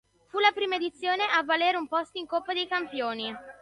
Fu la prima edizione a valere un posto in Coppa dei Campioni.